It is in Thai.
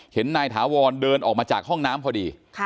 เห็นนายถาวรเดินออกมาจากห้องน้ำพอดี